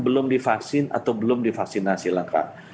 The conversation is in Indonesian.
belum divaksin atau belum divaksinasi lengkap